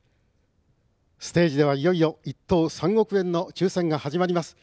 ステージではいよいよ１等３億円の抽せんが始まります。